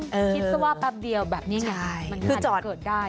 คิดว่าปั๊บเดียวแบบนี้ไงมันกาลเกิดได้